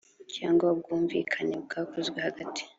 cyangwa ubwumvikane byakozwe hagati